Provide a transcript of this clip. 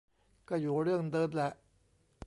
ก็อยู่เรื่องเดิมแหละ